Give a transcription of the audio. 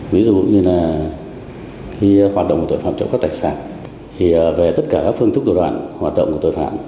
ví dụ như là khi hoạt động một tội phạm trộm cắp đặc sản thì về tất cả các phương thức đổi đoạn hoạt động của tội phạm